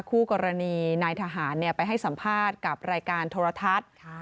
คู่กรณีนายทหารไปให้สัมภาษณ์กับรายการโทรทัศน์